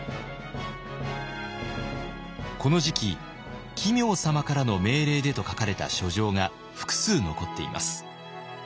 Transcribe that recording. この時期「奇妙様からの命令で」と書かれた書状が複数残っています。